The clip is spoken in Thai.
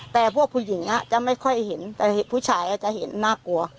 แต่พวกผู้หญิงจะไม่ค่อยเห็นแต่ผู้ชายอาจจะเห็นน่ากลัว